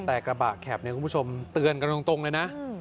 แต่กระบะแข็บเนี่ยคุณผู้ชมเตือนกันตรงเลยนะ